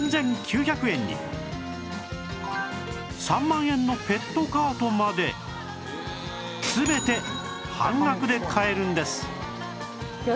３万円のペットカートまで全て半額で買えるんです